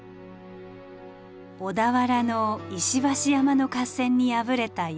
小田原の石橋山の合戦に敗れた頼朝。